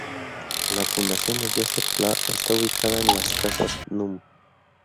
La Fundación Josep Pla está ubicada en las casas núm.